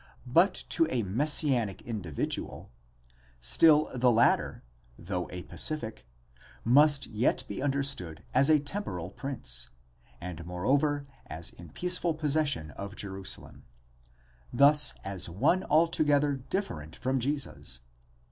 but to a messianic individual,*! still the latter, though a pacific, must yet be understood as a temporal prince, and moreover as in peaceful posses sion of Jerusalem—thus as one altogether different from Jesus.